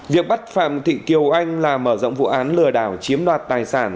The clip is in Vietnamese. việc bắt phạm thị kiều anh là mở rộng vụ án lừa đảo chiếm đoạt tài sản